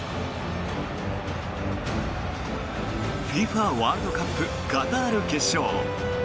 ＦＩＦＡワールドカップカタール決勝。